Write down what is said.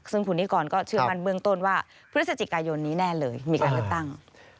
ซึ่งคุณนิกรก็เชื่อมั่นเบื้องต้นว่าพฤศจิกายนนี้แน่เลยมีการเลือกตั้ง